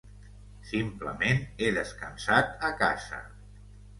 Simplement, he descansat a casa.